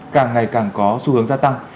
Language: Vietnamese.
càng ngày càng có xu hướng gia tăng